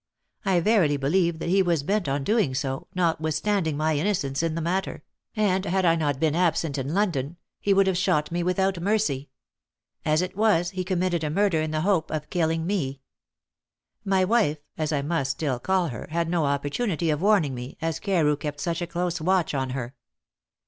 I verily believe that he was bent on doing so, notwithstanding my innocence in the matter; and had I not been absent in London, he would have shot me without mercy. As it was, he committed a murder in the hope of killing me. "'My wife as I must still call her had no opportunity of warning me, as Carew kept such a close watch on her.